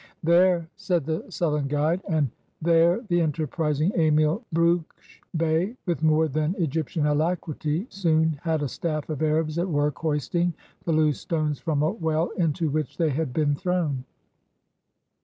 "There," said the sullen guide; and "there" the enterprising Emil Brugsch Bey, with more than Eg}'p tian alacrity, soon had a staff of Arabs at work hoisting the loose stones from a well into which they had been thrown.